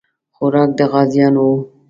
خوراک د غازیانو وو.